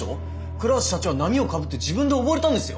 倉橋社長は波をかぶって自分で溺れたんですよ！